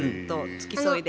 付き添いで。